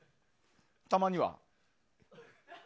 たまには。